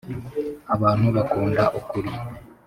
abantu bakunda ukuri.